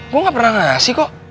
gue gak pernah ngasih kok